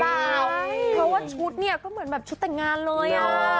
เพราะว่าชุดเนี่ยก็เหมือนแบบชุดแต่งงานเลย